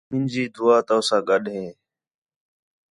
مینجی دُعا تَؤ ساں گݙ ہے